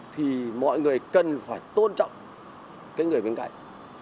thì mọi người cần phải tôn trọng cái người bên cạnh